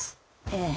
ええ？